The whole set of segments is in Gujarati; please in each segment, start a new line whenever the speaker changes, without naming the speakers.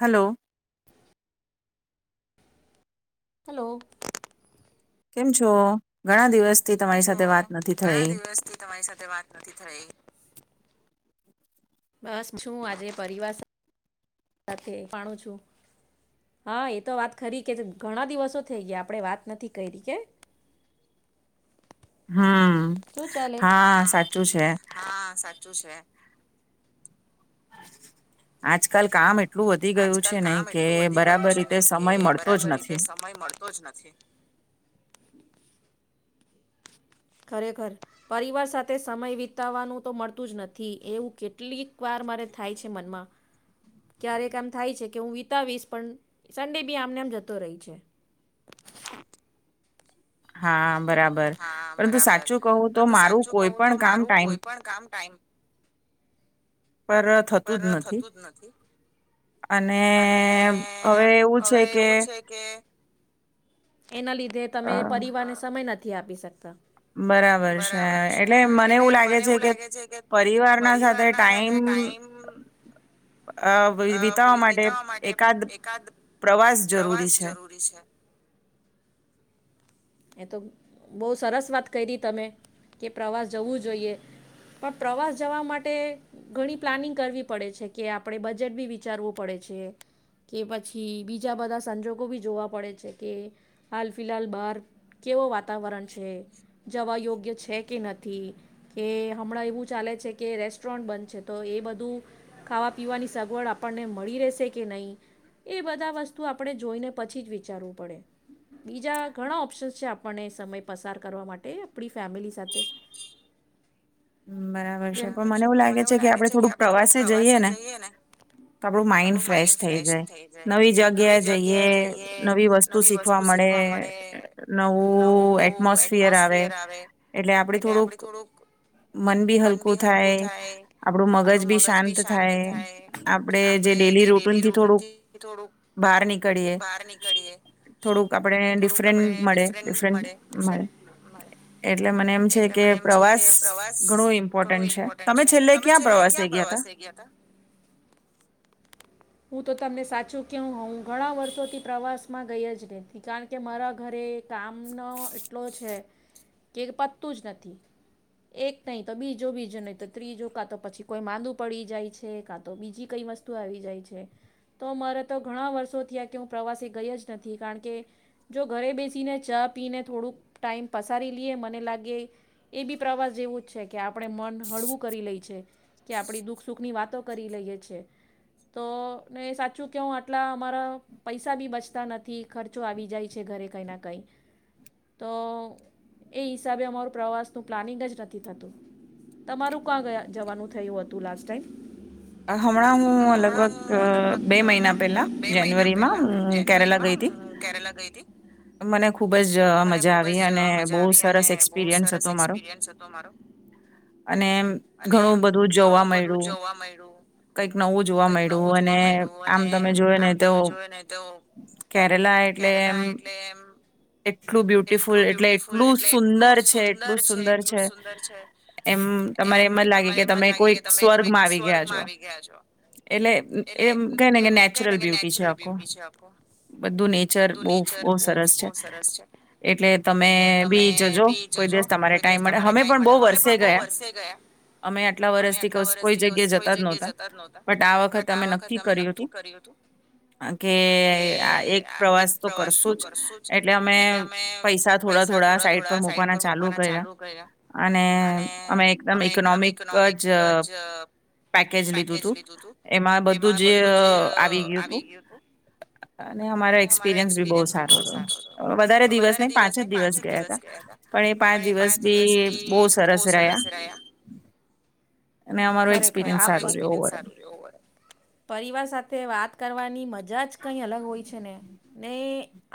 હલો
હલો
કેમ છો? ઘણા દિવસ
કેમ છો? ઘણા દિવસથી તમારી સાથે વાત નથી થઈ બસ છુ, આજે પરિવાર સા સાથે પાણું છું હા એ તો વાત ખરી કે જ ઘણા દિવસો થઈ ગયા આપણેે વાત નથી કરી કે
હમ! હા સાચું છે. આજકાલ કામ એટ
આજકાલ કામ એટલું વધી ગયું છે ને કે, બરાબર રીતે સમય મળતો જ નથી. ખરેખર પરિવાર સાથે સમય વિતાવાનું તો મળતું જ નથી. એવું કેટલીક વાર મારે થાય છે મનમાં, ક્યારેક આમ થાય છે કે હું વિતાવીશ પણ, સન્ડે બી આમને આમ જતો રહી છે.
હા
હા! બરાબર પરંતુ સાચું કહું, તો મારું કોઈ પણ કામ ટાઈમ
પર થતું જ નથી. અને હવે એવું છે કે?
એના લીધે તમે પરિવારને સમય નથી નથી આપી શકતા
બરાબર છે! એટલે મને એવું લાગે છે કે, પરિવારના સાથે ટાઈમ અ વિ વિતાવા માટે એકાદ પ્રવાસ જરૂરી છે. [unintelligible]
એ તો બહુ સરસ વાત કરી તમે કે, પ્રવાસ જવું જોઈએ, પણ પ્રવાસ જવા માટે ઘણી પ્લાનિંગ કરવી પડે છે કે, આપણે બજેટ બી વિચારવું પડે છે કે પછી બીજા બધા સંજોગો બી જોવા પડે છે. કે હાલ ફિહાલ બહાર કેવો વાતાવરણ છે? જવા યોગ્ય છે કે નથી? કે હમણાં એવું ચાલે છે કે રેસ્ટોરન્ટ બંધ છે તો એ બધું બધુ ખાવા પીવાની સગવડ આપણને મળી રહેશે કે નહી, એ બધા વસ્તુ આપણે જોઈને પછી જ વિચારવું પડે, બીજા ઘણા ઓપ્શન્ છે આપણને સમય પસાર કરવા માટે, આપણી ફેમિલી સાથે
બરાબર છે પણ મને એવું લાગે છે કે આપે થોડુંક પ્રવાસ જઈએ ને, તો આપણુ માઈન્ડ ફ્રેશ થઈ જાય, નવી જગ્યા જઈએ નવી વસ્તુ શીખવા મળે, નવું એટમોસફિયર આવે, એટલે આપડી થોડુંક મન બી હલકું થાય, આપડું મગજ મગજ બી શાંત થાય, આપડે જે ડેલી રૂટનથી થોડુંક બહાર નીકળીએ, થોડુંક આપણે ડિફરન્ટ મળે ડિફરન્ટ મળે, એટલે મને એમ છે કે પ્રવાસ ઘણું ઇમ્પોર્ટન્ટ છે, તમે છેલ્લે ક્યાં પ્રવાસે
પ્રવાસે ગયા તા [unintelligible] હું તો તમને સાચું કેવ હું ઘણા વર્ષોથી પ્રવાસમાં ગઈ જ નહીં, કારણ કે મારા ઘરે કામનો એટલો છે. કે પતતું જ નથી, એક નહી તો બીજો બીજો નહી તો ત્રીજું, કા તો પછી કોઈ માંદું પડી જાય છે કાં તો બીજી કંઈ વસ્તુ આવી જાય છે, તો મારે તો ઘણાં વર્ષોથી આ કે હું પ્રવાસે ગય જ નથી કારણ કે, જો ઘરે બેસીને ચા પીને થોડુંક ટાઈમ પસારી લઈએ મને લાગે, એ બી પ્રવાસ જેવું જ છે કે આપણે મન હળવું કરી લઈ છે. કે આપણી દુઃખ સુખની વાતો કરી લઈએ છે, એ તો ને સાચું કહું આટલા અમારા પૈસા બી બચતા નથી ખર્ચો આવી જાય છે, ઘરે કંઈ ના કંઈ, તો એ હિસાબે અમારું પ્રવાસનું પ્લાનિંગ જ નથી થતું, તમારું ક્યાં જવાનું થયું હતું લાસ્ટ ટાઈમ?
હમણાં હું લગભગ બે મહિના પહેલા જાન્યુઆરીમાં કેરેલા ગઈ હતી, મને ખુબ જ મજા આવી અને બહુ સરસ એક્સપિરિયન્સ હતો મારો, અને ઘણું બધું જ
[unintelligible]
કઈક નવું જોવા મળ્યું અને આમ તમે જોયે ને તો, કેરેલા એટલે એમ એટલું બ્યુટિફુલ એટલે એટલું સુંદર છે એટલું સુંદર છે, એમ તમારે એમ જ લાગે કે તમે કોઈ સ્વર્ગમાં આવી ગયા. એટલે એમ કે ને કે નેચરલ બ્યુટી છે આખું, બધું નેચર બહ બહ સરસ છે, એટલે તમે બી જજો કોઈ દિવસ તમારે ટાઈમ મળે અમે પણ બહ વર્ષે ગયા, અમે કેટલા વર્ષથી કોઈ જગ્યા જતા જ નહોતા, બટ આ વખતે અમે નક્કી કર્યું હતું, કે આ એક પ્રવાસ તો કરશું જ, એટલે અમે પૈસા થોડા થોડા સાઈટ પર મકુવાના ચાલુ કર્યા, અને અમે એકદમ ઇકોનોમિક
[unintelligible]
પેકેજ લીધું હતું, એમાં બધું જ આવી ગયું હતું, અને અમારો એક્સપિરિયન્સ બી બહુ સારો રહ્યો, વધારે દિવસ નહીં પાંચ જ દિવસ ગયા ત, પણ એ પાંચ દિવસ બી બહુ સરસ રહ્યા. અને અમારો એક-
પરિવાર સાથે વાત કરવાની મજા જાજ કંઈ અલગ હોય છે ને, નહી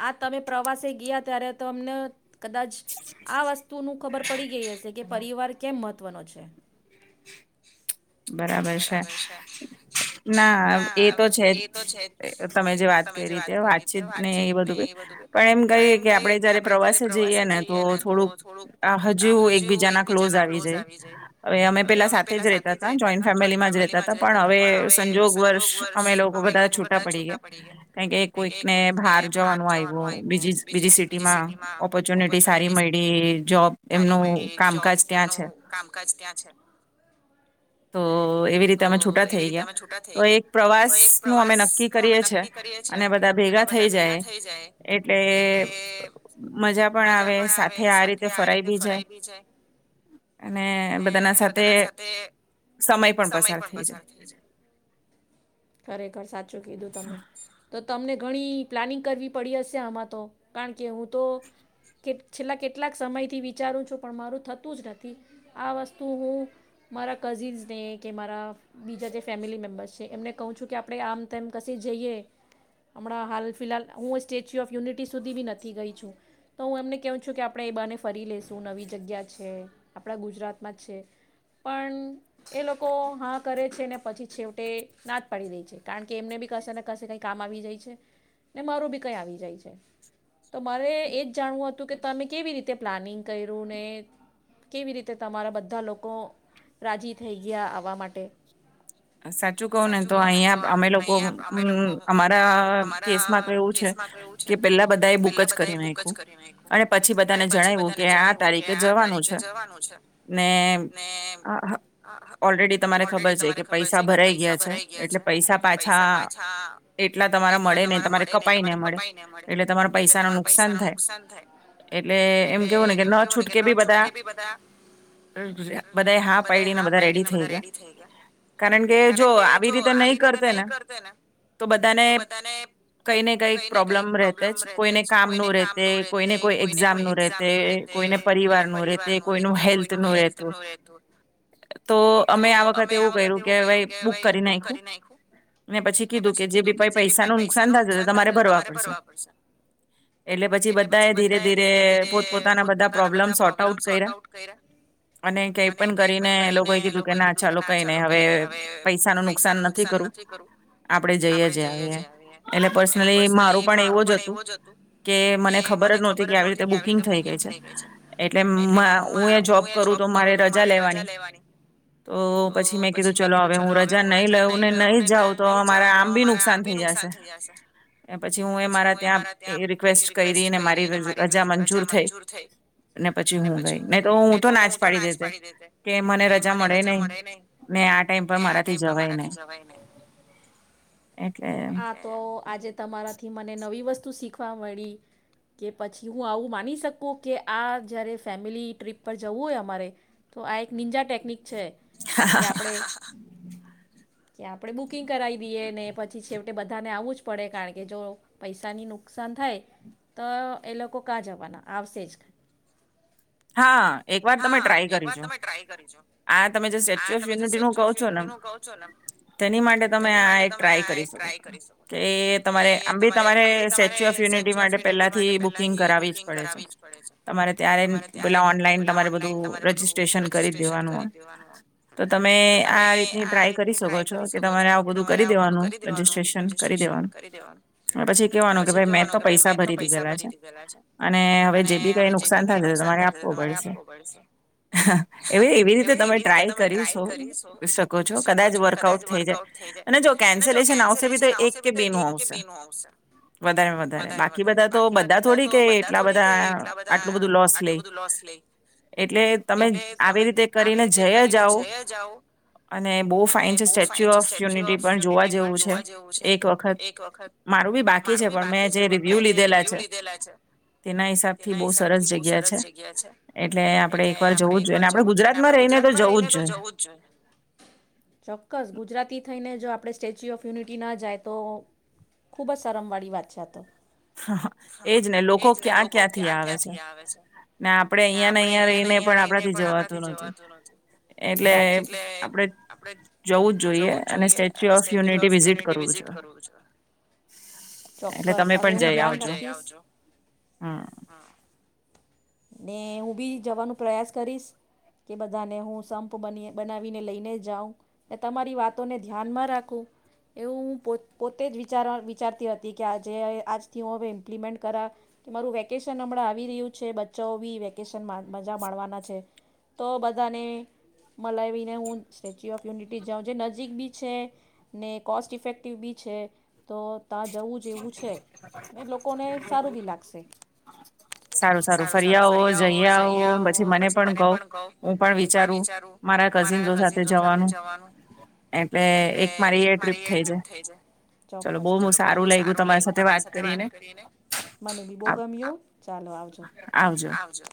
આ તમે પ્રવાસે ગયા ત્યારે તમને કદાચ, આ વસ્તુ ન ખબર પડી ગઈ હશે કે પરિવાર કેમ મત મહત્ત્વનો છે.
[unintelligible] હવે અમે પેલા સાથે જ ર રહેતા. જોઈન્ટ ફેમિલીમાં જ રતા હતા પણ હવે સંજોગ વર્ષ અમે લોકો બધા છૂટા પડી ગયા, કારણ કે કોઈકને બહાર જવાનું આવ્યું બીજી સિટી માં ઓપોર્ચુનિટી સારી મળી જોબ એમનું કામકાજ ત્યાં છે.
કચ્છ ક્યાં છે.
બધાના સાથે
કીધું તમે તો તમને ઘણી પ્લાનિંગ કરવી પડી હશે આમાં તો કારણ કે હું તો કે છેલ્લા કેટલાક સમયથી વિચારું છું પણ મારું થતું જ નથી. આ વસ્તુ હું મારા કઝિન્સને કે મારા બીજા જે ફેમિલી મેમ્બર્સ છે, એમને કહું છું કે આપણે આમ તેમ કશે જઈએ હમણાં હાલ ફિલહાલ હું સ્ટેચ્યુ ઓફ યુનિટી સુધી બી નથી ગઈ છું, તો હું એમને કહું છું કે આપણે એ બને ફરી લેશું નવી જગ્યા છે. આપણા ગુજરાતમાં જ છે પણ એ લોકો હા કરે છે ને પછી છેવટે ના જ પાડી દે છે કારણ કે એમને બી કશે ને કશે કંઈ કામ આવી જાય છે ને મારું બી કંઈ આવી જાય છે તો મારે એ જ જાણવું હતું કે તમે કેવી રીતે પ્લાનિંગ કર્યું ને કેવી રીતે તમારા બધા લોકો રાજી થઈ ગયા આવવા માટે.
સાચું કહું ને તો અહિયાંયા અમે લોકો અમારા કેસમાં તો એવું છે કે પેલા બધા એ બુક જ કરી નાખું અને પછી બધાને જણાવું કે આ તારીખે જવાનું છે. ને અ ઓલરેડી તમારે ખબર છે કે પૈસા ભરાઈ ગયા છે એટલે પૈસા પાછા એટલા તમારા મળે ને તમારે કપાઈને મળે એટલે તમારા પૈસા ન નુકસાન થાય એટલે એમ કેવું ને કે ન છૂટકે બી બધા.
કે ભી બધા બધા હા પાડીને બધા રેડી થઈ ગયા.
કારણ કે જો આવી રીતે નહી કરતે ને તો બધાને કઈ ને કઈક પ્રોબ્લેમ રતે જ કોઈને કામ નું રતે કોઈને કોઈ એક્ઝામ નું રતે કોઈને પરિવારનું. રેતે કોઈ નું હેલ્થ નુ રેહતું. તો અમે આ વખતે એ કે બુક કરી નાયખું પછી કીધું કે જેી પૈસાનું નુકસાન થ તમારે ભરવા પડશે એટલે પછી બધા એ ધીરે ધીરે પોતપતાના બધા પ્રોબ્લેમ સોર્ટ આઉટ કર્યા. અને કઈ પણ કરીને એ લોકો કીધું કે ના ચાલ કઈ. હવે પસા નુકાન નથી આપ જઈ એટલે પર્સનલી મારું પણ એવું જ હતું કે મને ખબર જ નો હતી કે આવી રીતે બુકંગ થઈ ગઈ છે. એટલે હું એ જોબ કરું તો મારે રજા લેવાની. તો પછી મેં કીધું ચાલો હવે હું રજા નહીં લઉં ને નહી જાઉં તો મારા આમ બી નુકસાન થઈ જશે એ પછી હું એ મારા ત્યાં એ રિક્વેસ્ટ કરી ને મારી ર રજા મંજૂર થઈ. પછી હું ગઈ નહી તો હું તો નાચ પાડી દેતે કે મને રજા મળે નહી.
ને આ ટાઈમ પર મારાથી જવાય નહીં. આ તો આજે તમારાથી મને નવી વસ્તુ શીખવા મળી કે પછી હું આવું માની શકું કે આ જ્યારે ફેમિલી ટ્રીપ પર જવું હોય અમારે તો આ એક નિંજા ટેકનિક. છે કે આપણે કે આપણે બુકિંગ કરાવી દઈએ ને પછી છેવટે બધાને આવવું જ પડે કારણ કે જો પૈસાની નુકસાન થાય તો એ લોકો કાં જવાના આવશે જ.
હા એક વાર તમે ટ્રાય કરીજો આ તમે જે સ્ટેચ્યુ ઓફ યુનિટીનું કહો છો ને તેની માટે તમે આ એક ટ્રાય કરી શકો છો કે તમારે આમ બી તમારે સ્ટેચ્યુ ઓફ યુનિટી માટે પહેલાથી બુકિંગ કરાવવી જ પડે છે તમારે. ત્યારે. પેલા ઓનલાઈન તમારે બધું રજીિસ્ટ્રેશન કરી દેવાનું હોય તો તમે આ રીતની ટ્રાય કરી શકો છો કે તમારે આવું બધું કરી દેવાનું રજીસ્ટ્રેશન કરી દેવાનું પછી કેવાનું કે ભ મેં તો પૈસા ભરી દીધેલા છે. અને હવે જે બી કઈ નુકસાન [unintelligible] પ એવી રીતે તમે ટ્રાય કરીશો શકો છો કદાચ વર્કઆઉટ થઈ જાય, અને જો કેન્સેલેશન આવશે બી તો એક કે બે નું આવશે, વધારે વધારે બાકી બધા તો બધા થોડી કે એટલા બધા આટલું બધું લોસ લઈ. એટલે તમે આવી રીતે કરીને જયા જાઓ, અને બહુ ફાઇન છે સ્ટેચ્યુ ઓફ યુનિટી પણ જોવા જેવું છે, એક વખત મારું બી બાકી છે પણ મેં જે રિવ્યુ લીધેલા છે, તેના હિસાબથી બહુ સરસ બસ જગ્યા છે.
એટલે આપે એક વાર જવું જ જોઈએ, આપ ગુજરાતમાં રહીને તો જવું જ જોઈએ. ચોક્સ ગુજરાતી [unintelligible] થઈને જો આપણે સ્ટેચ્યુ ઓફ યુનિટી ના જાય તો, ખૂબ જ શરમવાળી વાત છે આ તો.
હ એજ ને લોકો ક્યાં ક્યાંથી આવે છે.
[unintelligible]
પણ જઈ આવજો, હમ્મ.
ને હું બી જવાનો પ્રયાસ કરીશ, કે બધાને હું સંપ બની બનાવીને લઈને જ જાઉં, ને તમારી વાતોને ધ્યાનમાં રાખું, એવું હું પો પોતે જ વિચાર વિચારતી હતી કે આજે આજથી હું હવે ઇમ્પ્લિમેન્ટ કરા, કે મારું વેકેશન હમણાં આવી રહ્યું છે, બ ચૌબી વેકેશન મજા માણવાના છે, તો બધાને મલાવીને હું સ્ટેચ્યુ ઓફ યુનિટી જાઉં જે નજીક બી છે, ને કોસ્ટ ઇફેક્ટિવ બી છે, તો તા જવું જેવું છે, ને લોકોને સારું બી લાગશે. [unintelligible] આવજો.